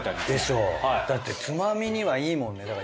でしょ？だってつまみにはいいもんね。